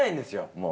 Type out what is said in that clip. もう。